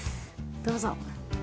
どうぞ。